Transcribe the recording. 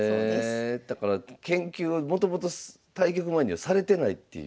へえだから研究はもともと対局前にはされてないっていう。